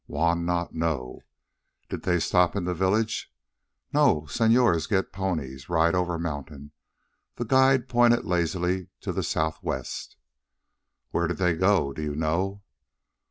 "Juan not know." "Did they stop in the village?" "No. Señors get ponies, ride over mountain," and the guide pointed lazily to the south west. "Where did they go? Do you know?"